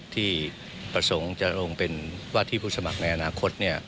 ที่ประสงค์จะลงเป็นว่าที่ผู้สมัครในอนาคต